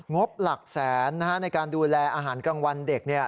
บหลักแสนในการดูแลอาหารกลางวันเด็ก